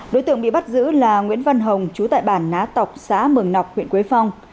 đối tượng bị bắt giữ là nguyễn văn hồng chú tại bản ná cọc xã mường nọc huyện quế phong